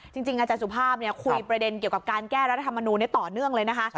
จริงอาจารย์สุภาพคุยประเด็นเกี่ยวกับการแก้รัฐธรรมนูลต่อเนื่องเลยนะคะ